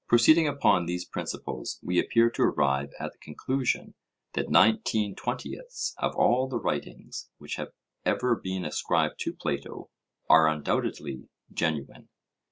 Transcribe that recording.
Proceeding upon these principles we appear to arrive at the conclusion that nineteen twentieths of all the writings which have ever been ascribed to Plato, are undoubtedly genuine.